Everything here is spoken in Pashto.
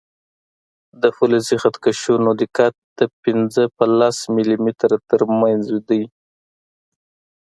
د فلزي خط کشونو دقت د پنځه په لس ملي متره تر منځ دی.